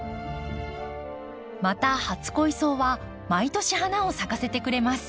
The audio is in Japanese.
また初恋草は毎年花を咲かせてくれます。